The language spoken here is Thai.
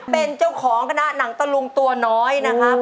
เป็นเจ้าของคณะหนังตะลุงตัวน้อยนะครับ